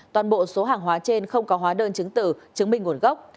toàn bộ số hàng hóa trên không có hóa đơn chứng tử chứng minh nguồn gốc